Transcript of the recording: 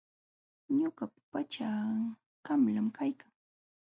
Ñuqapa pachaa qanlam kaykan.